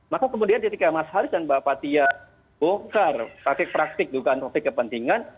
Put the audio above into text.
maka kemudian ketika mas haris dan mbak fathia bongkar praktik praktik dugaan praktik kepentingan